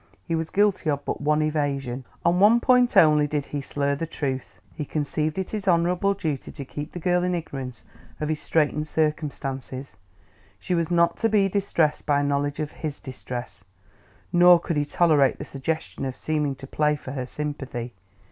He was guilty of but one evasion; on one point only did he slur the truth: he conceived it his honorable duty to keep the girl in ignorance of his straitened circumstances; she was not to be distressed by knowledge of his distress, nor could he tolerate the suggestion of seeming to play for her sympathy.